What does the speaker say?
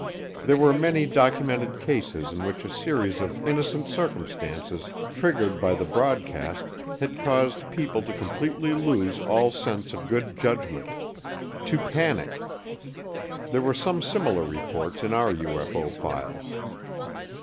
There were many documented cases in which a series of innocent circumstances triggered by the broadcast had caused people to completely lose all sense of good judgment to panic. There were some similar reports in our UFO files.